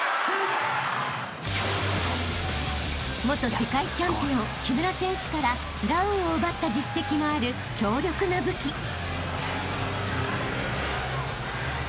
［元世界チャンピオン木村選手からダウンを奪った実績もある強力な武器］